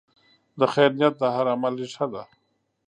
د خیر نیت د هر عمل ریښه ده.